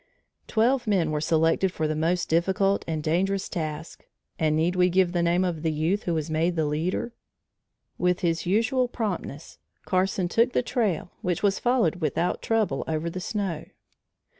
Twelve men were selected for the most difficult and dangerous task and need we give the name of the youth who was made the leader? With his usual promptness, Carson took the trail which was followed without trouble over the snow.